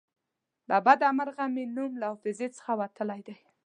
له بده مرغه مې نوم له حافظې څخه وتلی دی.